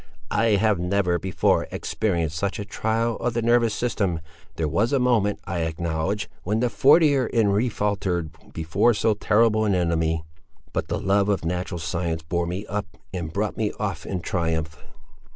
"I have never before experienced such a trial of the nervous system; there was a moment, I acknowledge, when the fortiter in re faltered before so terrible an enemy; but the love of natural science bore me up, and brought me off in triumph!"